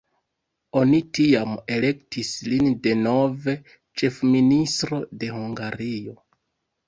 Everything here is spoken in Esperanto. Oni tiam elektis lin denove ĉefministro de Hungario.